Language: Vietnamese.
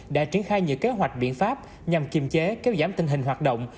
đã triển khai nhiều kế hoạch biện pháp nhằm kiềm chế kéo giảm tình hình hoạt động